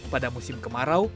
pada musim kemarau